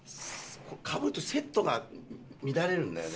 かぶるとセットが乱れるんだよね。